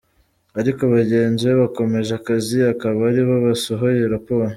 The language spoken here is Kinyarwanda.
Ariko bagenzi be bakomeje akazi, akaba ari bo basohoye raporo.